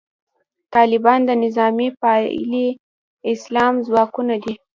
طالبان د نظامي پالي اسلام ځواکونه دي.